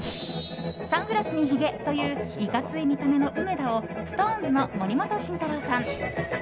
サングラスにひげといういかつい見た目の梅田をＳｉｘＴＯＮＥＳの森本慎太郎さん